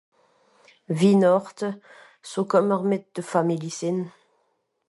wihnàchte